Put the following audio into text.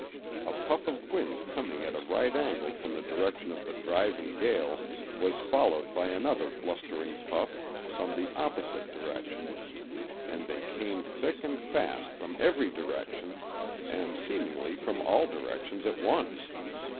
A puff of wind coming at a right angle from the direction of the driving gale was followed by another blustering puff from the opposite direction, and they came thick and fast from every direction, and seemingly from all directions at once.